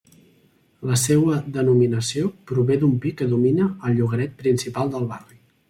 La seua denominació prové d'un pi que domina al llogaret principal del barri.